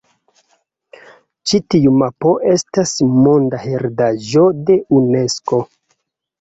Ĉi tiu mapo estas Monda Heredaĵo de Unesko.